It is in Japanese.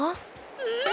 うん！